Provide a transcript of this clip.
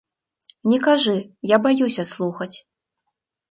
Не кажы, я баюся слухаць.